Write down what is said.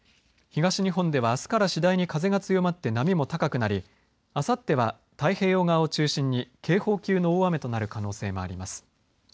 東日本ではあすから次第に風が強まって波も高くなり、あさっては太平洋側を中心に警報級の大雨となる可能性もあります。